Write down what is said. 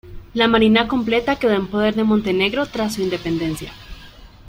La marina completa quedó en poder de Montenegro tras su independencia.